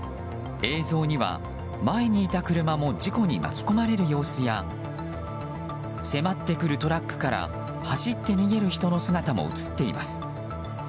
映像には前にいた車も事故に巻き込まれる様子や迫ってくるトラックから走って逃げる人の姿も映っています。